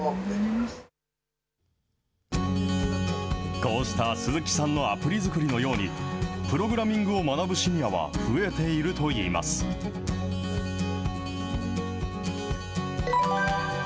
こうした鈴木さんのアプリ作りのように、プログラミングを学ぶシニアは増えているといいます。